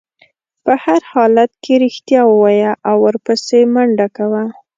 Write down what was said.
په هر حالت کې رښتیا ووایه او ورپسې منډه کوه.